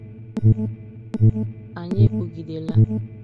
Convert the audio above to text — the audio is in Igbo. Anyị ekwugidela